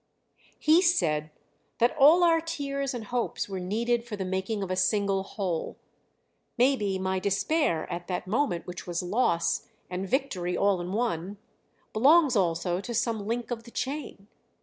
"He said that all our tears and hopes were needed for the making of a single whole maybe my despair, at that moment which was loss and victory all in one, belongs also to some link of the chain.